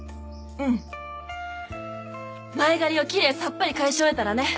うん前借りをきれいさっぱり返し終えたらね